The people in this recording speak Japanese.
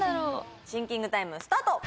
シンキングタイムスタート！